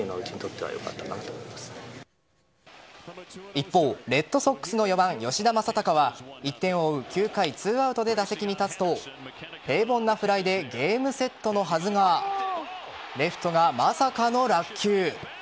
一方、レッドソックスの４番・吉田正尚は１点を追う９回２アウトで打席に立つと平凡なフライでゲームセットのはずがレフトがまさかの落球。